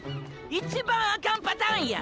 一番アカンパターンや！！